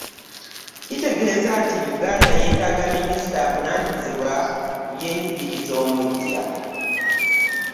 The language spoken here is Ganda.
Kitegeezezza nti Uganda yeetaaga minisita avunaanyizibwa ku by'enjigiriza omuggya.